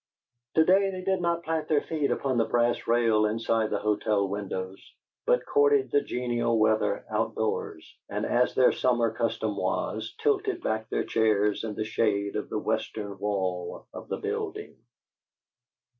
To day they did not plant their feet upon the brass rail inside the hotel windows, but courted the genial weather out doors, and, as their summer custom was, tilted back their chairs in the shade of the western wall of the building.